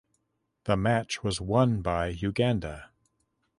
The match was won by Uganda.